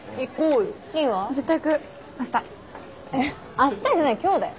明日じゃない今日だよ。